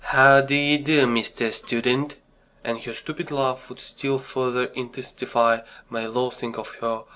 "How d'ye do, Mr. Student!" and her stupid laugh would still further intensify my loathing of her.